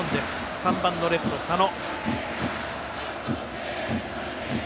３番のレフト、佐野。